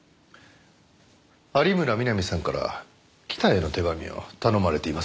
有村みなみさんから北への手紙を頼まれていませんでしたか？